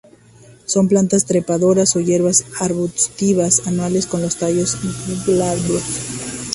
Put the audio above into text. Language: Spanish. Son plantas trepadoras o hierbas arbustivas, anuales; con los tallos glabros.